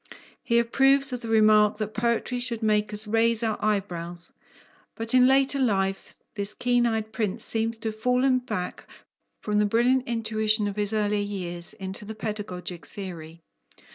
He approves of the remark that poetry should make us "raise our eyebrows," but in later life this keen eyed prince seems to have fallen back from the brilliant intuition of his earlier years into the pedagogic theory.